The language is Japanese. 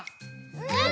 うん！